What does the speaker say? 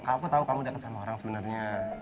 aku tau kamu deket sama orang sebenernya